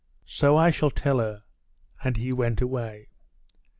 "So I shall tell her," and he went away.